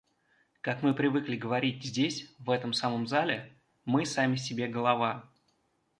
Как мы привыкли говорить здесь, в этом самом зале, "мы сами себе голова".